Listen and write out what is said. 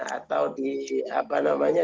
atau di apa namanya